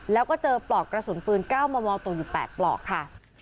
แล้วก็เจอปลอกกระสุนปืน๙มมตกอยู่๘ปลอกค่ะ